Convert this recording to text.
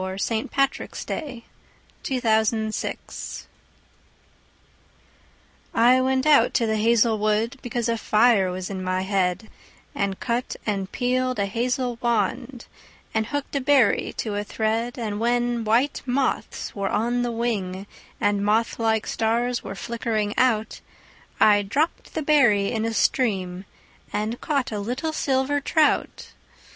William Butler Yeats The Song of Wandering Aengus I WENT out to the hazel wood, Because a fire was in my head, And cut and peeled a hazel wand, And hooked a berry to a thread; And when white moths were on the wing, And moth like stars were flickering out, I dropped the berry in a stream And caught a little silver trout.